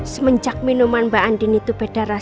semoga khadilah bisa hidup diiseen